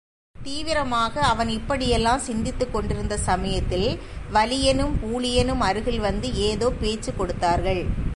தீவிரமாக அவன் இப்படியெல்லாம் சிந்தித்துக்கொண்டிருந்த சமயத்தில் வலியனும் பூழியனும் அருகில் வந்து ஏதோ பேச்சுக் கொடுத்தார்கள்.